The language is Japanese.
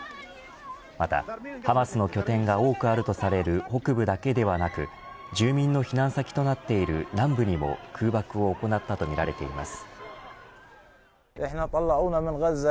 また、ハマスの拠点が多くあるとされる北部だけではなく住民の避難先となっている南部にも空爆を行ったとみられています。